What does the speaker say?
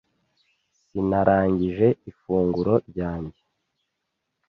Sinarangije ifunguro ryanjye.